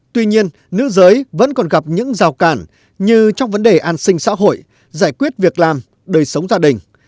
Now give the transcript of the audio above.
tuy nhiên nữ giới vẫn còn gặp những rào cản như trong vấn đề an sinh xã hội giải quyết việc làm đời sống gia đình